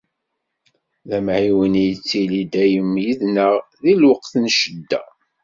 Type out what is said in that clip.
D amɛiwen, ittili dayem yid-neɣ di lweqt n ccedda.